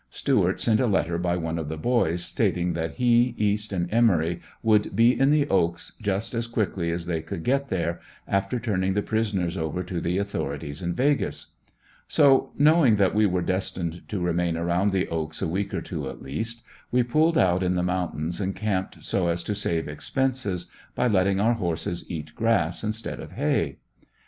Stuart sent a letter by one of the boys, stating that he, East and Emory, would be in the "Oaks" just as quick as they could get there, after turning the prisoners over to the authorities in "Vegas." So, knowing that we were destined to remain around the "Oaks" a week or two at least, we pulled out in the mountains and camped, so as to save expenses by letting our horses eat grass instead of hay.